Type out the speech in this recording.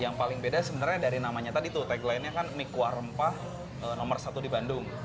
yang paling beda sebenarnya dari namanya tadi tuh tagline nya kan mie kuah rempah nomor satu di bandung